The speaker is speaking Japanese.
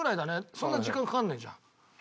そんな時間かかんないじゃん。